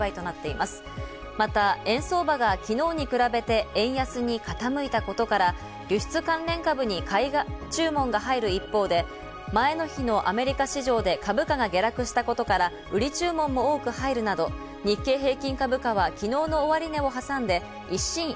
また円相場が昨日に比べて円安に傾いたことから、輸出関連株に買い注文が入る一方で、前の日のアメリカ市場で株価が下落したことから、売り注文も多く入るなど、いよいよ厳しい冬本番。